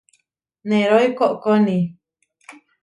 Nerói koʼkóni.